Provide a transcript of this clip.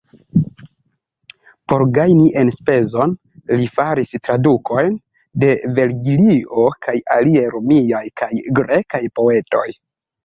Por gajni enspezon li faris tradukojn de Vergilio kaj aliaj romiaj kaj grekaj poetoj.